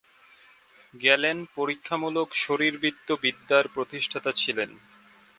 Gallon পরীক্ষামূলক শারীরবৃত্ত বিদ্যার প্রতিষ্ঠাতা ছিলেন।